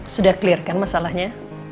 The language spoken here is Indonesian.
sudah clear kan masalahnya